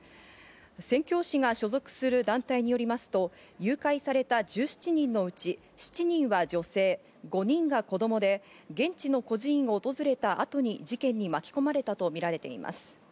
宣教師が所属する団体によりますと、誘拐された１７人のうち７人は女性５人が子供で、現地の孤児院を訪れた後に事件に巻き込まれたとみられています。